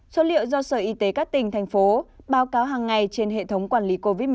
số liệu do sở y tế các tỉnh thành phố báo cáo hàng ngày trên hệ thống quản lý covid một mươi chín